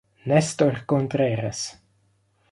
Néstor Contreras